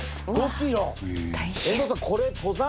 遠藤さん